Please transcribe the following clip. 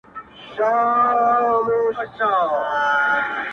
پام کوه بې پامه سترگي مه وهه,